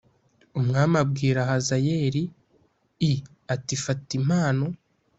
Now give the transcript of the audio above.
Umwami abwira Hazayeli i ati fata impano